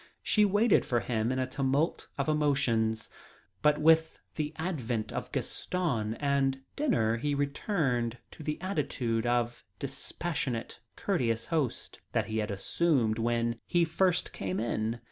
She waited for him in a tumult of emotions, but with the advent of Gaston and dinner he returned to the attitude of dispassionate, courteous host that he had assumed when he first came in.